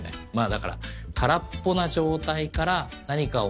だから空っぽな状態から何かを想う。